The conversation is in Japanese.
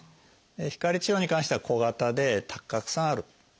光治療に関しては小型でたくさんある。